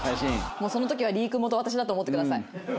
もうその時はリーク元私だと思ってください。